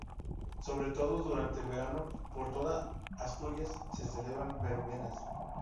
Sobre todo durante el verano, por toda Asturias se celebran verbenas.